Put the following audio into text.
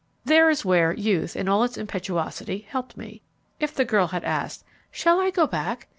There is where youth, in all its impetuosity, helped me. If the girl had asked, "Shall I go back?"